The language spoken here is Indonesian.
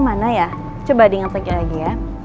mana ya coba diingatkan ya